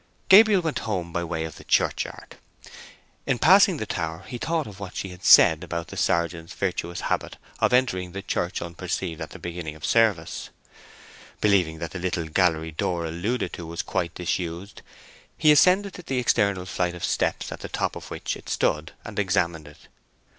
Gabriel went home by way of the churchyard. In passing the tower he thought of what she had said about the sergeant's virtuous habit of entering the church unperceived at the beginning of service. Believing that the little gallery door alluded to was quite disused, he ascended the external flight of steps at the top of which it stood, and examined it.